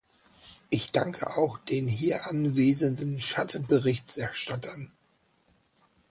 Ich danke auch den hier anwesenden Schattenberichterstattern.